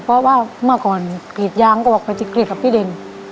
เพราะว่าเมื่อก่อนกรีดยางก็บอกไปจะกรีดกับพี่เด่น